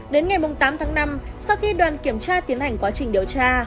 đến ngày tám tháng năm sau khi đoàn kiểm tra tiến hành quá trình điều tra